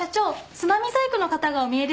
つまみ細工の方がおみえですが。